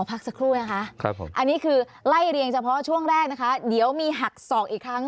อันนี้คือไล่เรียงเฉพาะช่วงแรกนะคะเดี๋ยวมีหักศอกอีกครั้ง